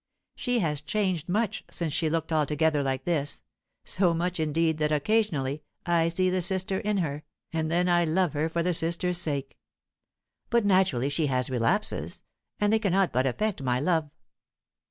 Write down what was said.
She has changed much since she looked altogether like this, so much, indeed, that occasionally I see the sister in her, and then I love her for the sister's sake. But naturally she has relapses, and they cannot but affect my love.